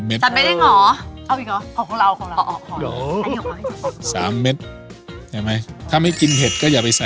ไม่เอืมรูปหลานใช่คะ